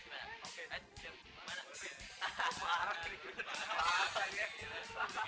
bapak jamin kamu gak akan apa apa